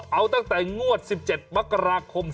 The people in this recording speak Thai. เอาตั้งแต่งวด๑๗มกราคม๒๕๖